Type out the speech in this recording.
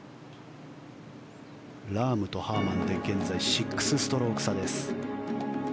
ラームとハーマンで現在、６ストローク差です。